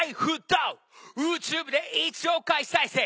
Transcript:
ｕｔｕｂｅで１億回再生！